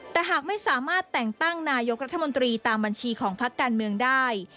แต่หากไม่สามารถแต่งตั้งนายกรัฐมนตรีตามบัญชีของพักการเมืองได้